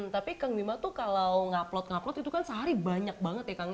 tapi kang bima tuh kalau upload upload itu kan sehari banyak banget ya kang